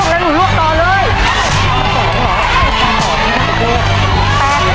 แปดครั้งนะครับสามนาที